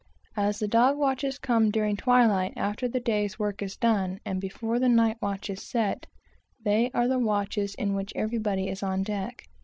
As the dog watches come during twilight, after the day's work is done, and before the night watch is set, they are the watches in which everybody is on deck.